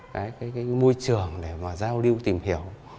cái môi trường để mà giao lưu tìm hiểu